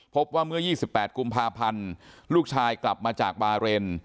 พบว่าเมื่อ๒๘กุมภาพันธ์ลูกชายกลับมาจากบาเรน